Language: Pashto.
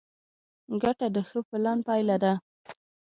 ګټه د ښه پلان پایله ده.